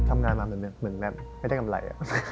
ทำงานมาเหมือนแบบไม่ได้กำไร